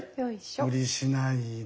無理しないで。